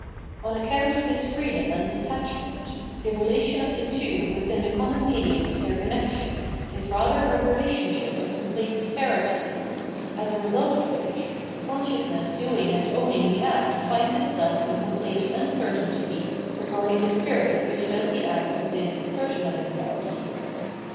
On account of this freedom and detachment, the relation of the two within the common medium of their connec tion is rather a relationship of complete disparity — as a result of which, the consciousness doing and owning the act finds itself in complete uncertainty regarding the spirit which does the act and is " certain of itself."